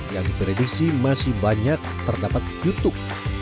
yang diperedisi masih banyak terdapat jutuk